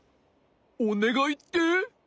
おねがいって？